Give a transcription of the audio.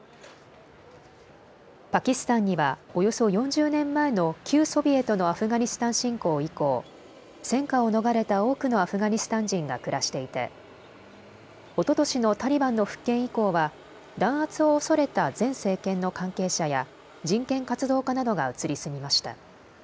パキスタンにはおよそ４０年前の旧ソビエトのアフガニスタン侵攻以降、戦禍を逃れた多くのアフガニスタン人が暮らしていておととしのタリバンの復権以降は弾圧を恐れた前政権の関係者や人権活動家などが移り住みました。